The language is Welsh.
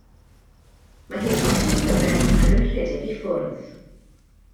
Mae hi'n colli ei thymer ac yn rhedeg i ffwrdd.